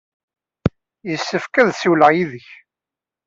Yessefk ad ssiwleɣ yid-k.